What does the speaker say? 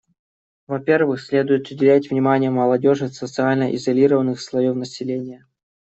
Во-первых, следует уделять внимание молодежи социально изолированных слоев населения.